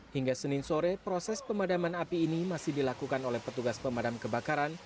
hingga senin sore proses pemadaman api ini masih dilakukan oleh petugas pemadam kebakaran